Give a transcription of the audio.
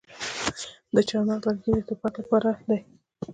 د چهارمغز لرګي د ټوپک لپاره دي.